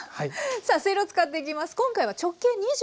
さあせいろを使っていきます。